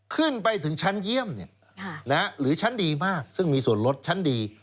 ขึ้นไปถึงชั้นเยี่ยมหรือชั้นดีมากซึ่งมีส่วนลดชั้นดี